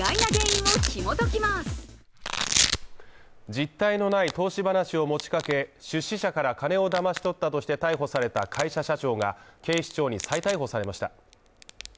実体のない投資話を持ちかけ、出資者から金をだまし取ったとして逮捕された会社社長が警視庁に再逮捕されました。